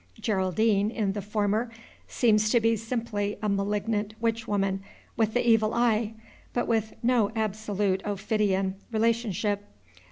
Geraldine, in the former, seems to be simply a malignant witch woman with the evil eye, but with no absolute ophidian relationship.